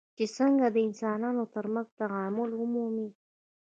چې څنګه د انسانانو ترمنځ تعامل ومومي.